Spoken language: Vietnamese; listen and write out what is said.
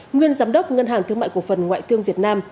nguyên giám đốc ngân hàng thương mại cổ phần ngoại thương việt nam